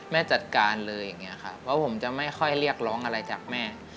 แม่จัดการเลยผมจะไม่ค่อยเรียกร้องอะไรจากแม่